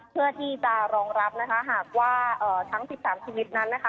เพื่อที่จะรองรับนะคะหากว่าทั้ง๑๓ชีวิตนั้นนะคะ